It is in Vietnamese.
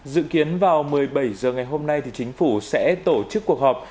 dự kiến vào một mươi bảy h ngày hôm nay chính phủ sẽ tổ chức cuộc họp